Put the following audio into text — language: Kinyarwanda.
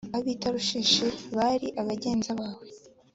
ab i tarushishi bari abagenza bawe